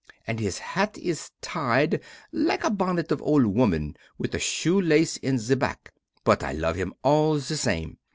And his hat is tied, like a bonnet of old woman, with a shoe lace in the back. But I love him all of same.